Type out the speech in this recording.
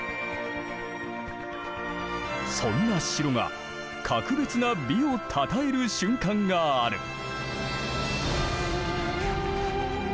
そんな城が格別な美をたたえる瞬間がある。